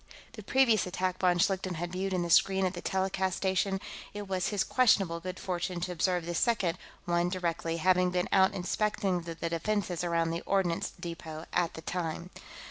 The previous attack von Schlichten had viewed in the screen at the telecast station; it was his questionable good fortune to observe the second one directly, having been out inspecting the defenses around the ordnance depot at the time.